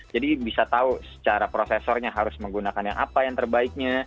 jadi bisa tahu secara prosesornya harus menggunakan yang apa yang terbaiknya